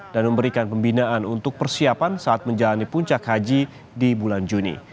dan memberikan pembinaan untuk persiapan saat menjalani puncak haji di bulan juni